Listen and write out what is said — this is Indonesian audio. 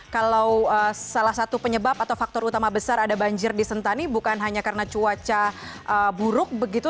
kalau salah satu penyebab atau faktor utama besar ada banjir di sentani bukan hanya karena cuaca buruk begitu